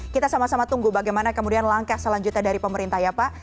kita sama sama tunggu bagaimana kemudian langkah selanjutnya dari pemerintah ya pak